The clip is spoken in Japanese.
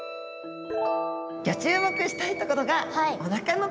ギョ注目したいところがおなかのところです。